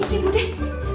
ini bu deh